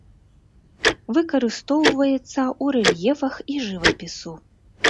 Выкарыстоўваецца ў рэльефах і жывапісу.